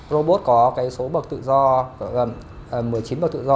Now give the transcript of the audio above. robot có số bậc tự do gần một mươi chín bậc tự do